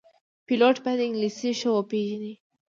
پیلوټ باید انګلیسي ښه وپېژني.